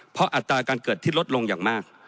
เพราะอัตราการเกิดที่ลดลงอย่างมาก